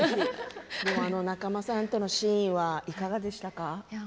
仲間さんとのシーンはいかがでしたか？